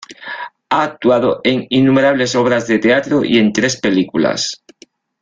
Ha actuado en innumerables obras de teatro y en tres películas.